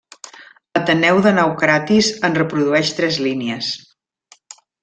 Ateneu de Naucratis en reprodueix tres línies.